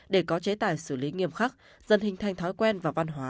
để có chế tải xử lý nghiêm khắc dân hình thành thói quen và văn hóa